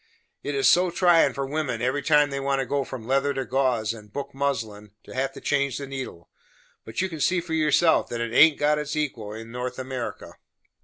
It is so tryin' for wimmen, every time they want to go from leather to gauze and book muslin, to have to change the needle; but you can see for yourself that it haint got its equal in North America."